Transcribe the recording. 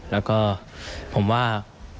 แล้วก็ผมว่า